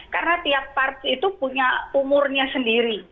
karena tiap parts itu punya umurnya sendiri